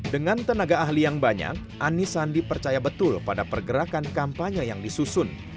dengan tenaga ahli yang banyak anis sandi percaya betul pada pergerakan kampanye yang disusun